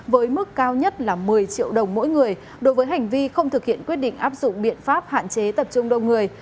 với mức cao nhất là một mươi triệu đồng mỗi người đối với hành vi không thực hiện quyết định áp dụng biện pháp hạn chế tập trung đông người